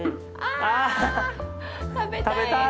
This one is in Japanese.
食べたい！